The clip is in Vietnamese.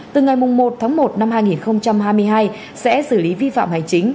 từ ngày một tháng một năm hai nghìn hai mươi hai sẽ xử lý vi phạm hành chính